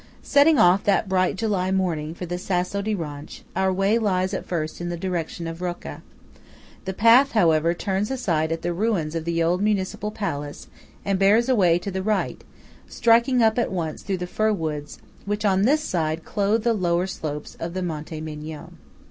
Setting off that bright July morning for the Sasso di Ronch, our way lies at first in the direction of Rocca. The path, however, turns aside at the ruins of the old Municipal Palace and bears away to the right, striking up at once through the fir woods which on this side clothe the lower slopes of Monte Migion.